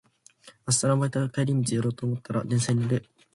明日バイト帰り寄ろうと思ったら電車に乗る